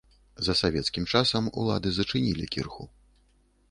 За савецкім часам улады зачынілі кірху.